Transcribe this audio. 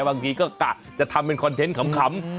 บางทีก็กะจะทำเป็นคอนเทนต์ขำ